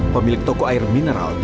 pak banyak yang menang